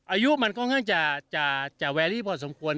อายุมันค่อนข้างจะแวรี่พอสมควร